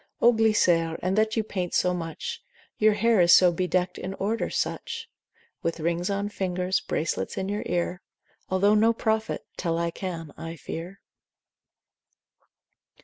O Glycere, in that you paint so much, Your hair is so bedeckt in order such. With rings on fingers, bracelets in your ear, Although no prophet, tell I can, I fear.